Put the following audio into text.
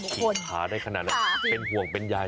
ปวดขาได้ขนาดนั้นเป็นห่วงเป็นยาย